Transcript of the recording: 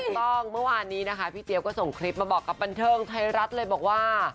เมื่อวานนี้นะคะพี่เจี๊ยบก็ส่งคลิปมาบอกกับบันเทิงไทยรัฐเลยบอกว่า